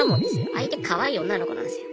相手かわいい女の子なんですよ。